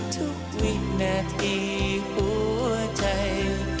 ทุกวินาทีหัวใจ